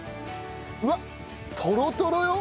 うわっトロトロよ！